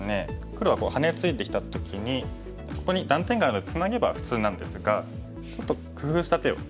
黒がハネツイできた時にここに断点ツナげば普通なんですがちょっと工夫した手を打ったところです。